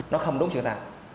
nó không đúng chứ ta